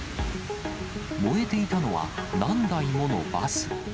燃えていたのは、何台ものバス。